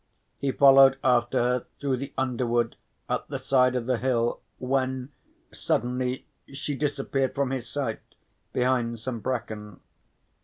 He followed after her through the underwood up the side of the hill, when suddenly she disappeared from his sight, behind some bracken.